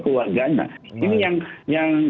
keluarganya ini yang